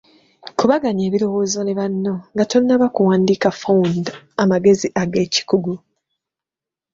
Kubaganya ebirowoozo ne banno nga tonnaba kuwandiika found amagezi ag'ekikugu.